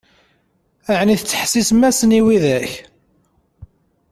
Ɛni tettḥessisem-asen i widak?